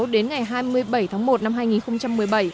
đến ngày hai mươi bảy tháng một năm hai nghìn một mươi bảy